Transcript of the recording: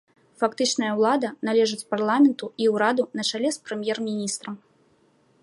Фактычная ўлада належыць парламенту і ўраду на чале з прэм'ер-міністрам.